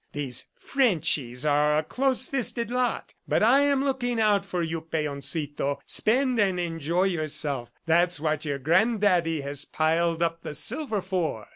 These Frenchies are a close fisted lot! But I am looking out for you. Peoncito! Spend and enjoy yourself that's what your Granddaddy has piled up the silver for!"